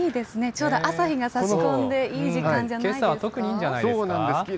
ちょうど朝日がさし込んでいい時間じゃないですか。